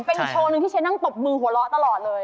เป็นอีกโชว์หนึ่งที่ฉันนั่งตบมือหัวเราะตลอดเลย